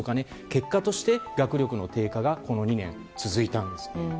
結果として学力の低下がこの２年、続いたんです。